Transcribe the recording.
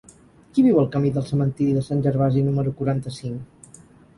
Qui viu al camí del Cementiri de Sant Gervasi número quaranta-cinc?